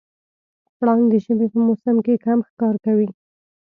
پړانګ د ژمي په موسم کې کم ښکار کوي.